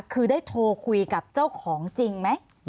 คือได้โทรคุยกับเจ้าของจริงไหม